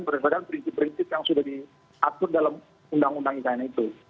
berdasarkan prinsip prinsip yang sudah diatur dalam undang undang ikn itu